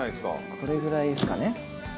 これぐらいですかね。